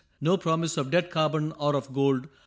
No promise of dead carbon or of gold.